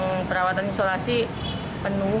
yang perawatan isolasi penuh